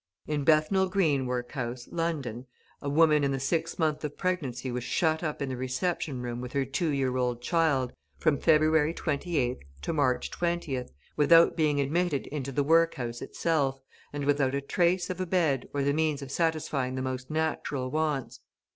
In Bethnal Green workhouse, London, a woman in the sixth month of pregnancy was shut up in the reception room with her two year old child, from February 28th to March 20th, without being admitted into the workhouse itself, and without a trace of a bed or the means of satisfying the most natural wants.